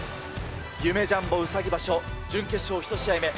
夢・ジャンボうさぎ場所準決勝１試合目。